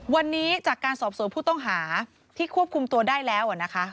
วันนี้จากการสอบสวนผู้ต้องหาที่ควบคุมตัวได้แล้วนะคะ